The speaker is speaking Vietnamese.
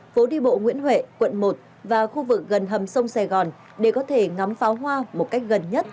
phố đi bộ nguyễn huệ quận một và khu vực gần hầm sông sài gòn để có thể ngắm pháo hoa một cách gần nhất